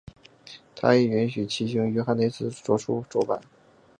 他亦允许其兄约翰内斯的着作出版。